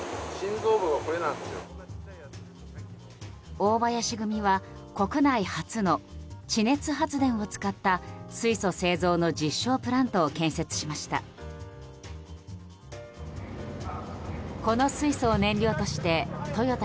大林組は国内初の地熱発電を使った水素製造の実証プラントを建設しました。